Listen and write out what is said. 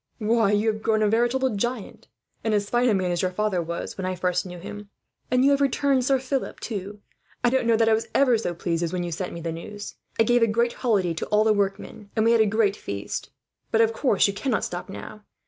"Why, you have grown a veritable giant; and as fine a man as your father was, when I first knew him; and you have returned Sir Philip, too. I don't know that I was ever so pleased as when you sent me the news. I gave a holiday to all the workmen, and we had a great fete. "But of course, you cannot stop now.